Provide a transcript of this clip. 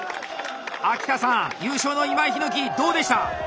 秋田さん優勝の今井陽樹どうでした？